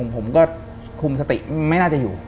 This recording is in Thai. ผมก็คุมสติไม่น่าจะอยู่